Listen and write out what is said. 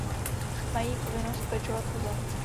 Mají povinnost pečovat o zem.